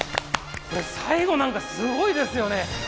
最後なんかすごいですよね。